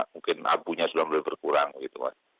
mungkin abunya sudah mulai berkurang gitu mas